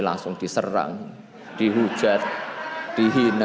langsung diserang dihujat dihina